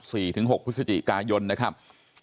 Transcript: ถึงหกพฤศจิกายนนะครับ